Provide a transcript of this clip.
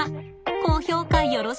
高評価よろしくね。